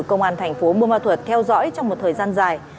công an thành phố buôn ma thuật theo dõi trong một thời gian dài